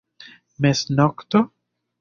Meznokto?